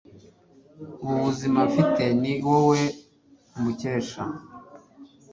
ubu buzima mfite ni wowe mbukesha